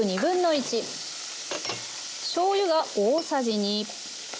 しょうゆが大さじ２。